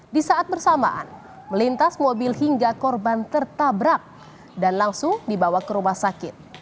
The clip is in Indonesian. di saat bersamaan melintas mobil hingga korban tertabrak dan langsung dibawa ke rumah sakit